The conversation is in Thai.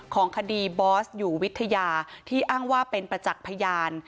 ของคดีบอสอยู่วิทยาที่อ้างว่าเป็นประจักษ์พยาน